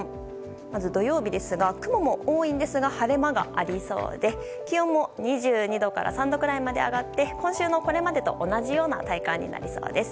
まず土曜日、雲も多いんですが晴れ間もありそうで気温も２２度から２３度くらいまで上がって今週のこれまでと同じような体感になりそうです。